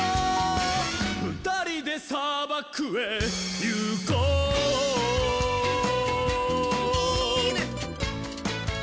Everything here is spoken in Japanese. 「ふたりでさばくへいこう」イイネ！